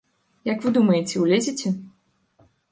Як вы думаеце, улезеце?